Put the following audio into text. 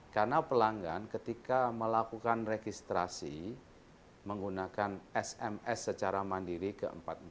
karena pelanggan ketika melakukan registrasi menggunakan sms secara mandiri ke empat ribu empat ratus empat puluh empat